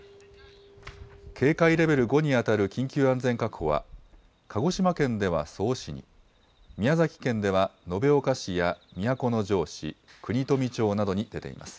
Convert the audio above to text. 警戒レベル５に当たる緊急安全確保は、鹿児島県では曽於市に、宮崎県では延岡市や都城市、国富町などに出ています。